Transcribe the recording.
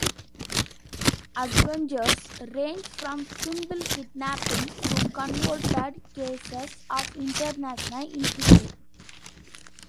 Adventures range from simple kidnapping to convoluted cases of international intrigue.